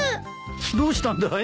どうしたんだい？